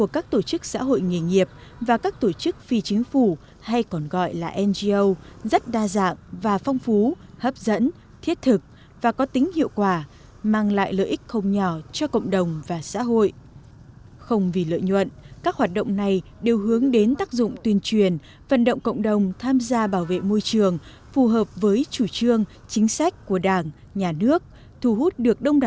các tổ chức xã hội được thực hiện khắp nơi trên cả nước với mục đích sử dụng ngày nghỉ cuối tuần để cùng nhau dọn sạch môi trường